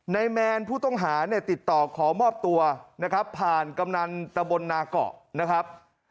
แมนผู้ต้องหาเนี่ยติดต่อขอมอบตัวนะครับผ่านกำนันตะบนนาเกาะนะครับ